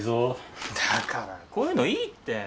だからこういうのいいって。